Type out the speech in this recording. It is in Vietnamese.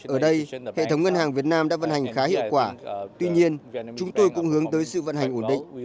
ở đây hệ thống ngân hàng việt nam đã vận hành khá hiệu quả tuy nhiên chúng tôi cũng hướng tới sự vận hành ổn định